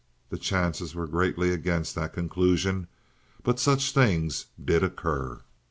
The chances were greatly against that conclusion, but such things did occur.